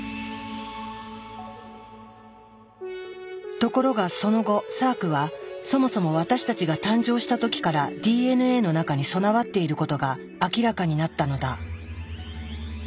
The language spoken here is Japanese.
ところがその後サークはそもそも私たちが誕生した時からＤＮＡの中に備わっていることが明らかになったのだ。